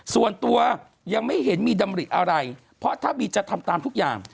ส่วนตัวยังไม่เห็นมีดำริอะไรเพราะถ้าบีจะทำตามทุกอย่าง